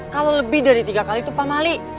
kalau lebih dari tiga kali itu pak mali